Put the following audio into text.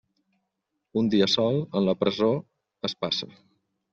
Un dia sol, en la presó es passa.